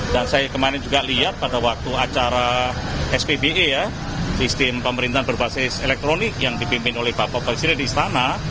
dan saya kemarin juga lihat pada waktu acara spbe ya sistem pemerintahan berbasis elektronik yang dipimpin oleh bapak presiden di sana